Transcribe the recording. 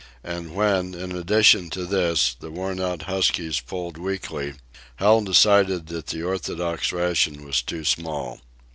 And when, in addition to this, the worn out huskies pulled weakly, Hal decided that the orthodox ration was too small.